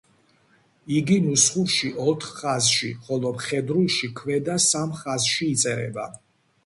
იგი ნუსხურში ოთხ ხაზში, ხოლო მხედრულში ქვედა სამ ხაზში იწერება.